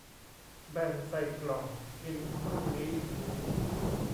แบ่งใส่กล่องกินพรุ่งนี้อีกมื้อ